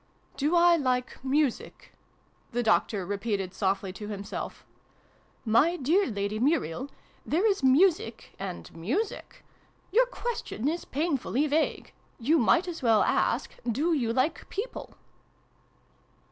" Do I like Music ?" the Doctor repeated softly to himself. " My dear Lady Muriel, there is Music and Music. Your question is painfully vague. You might as well ask ' Do you like People